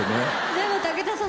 でも武田さん